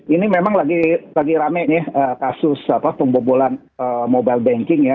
ini memang lagi rame kasus pemobolan mobile banking ya